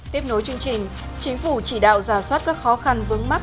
tiếp nối chương trình chính phủ chỉ đạo giả soát các khó khăn vướng mắt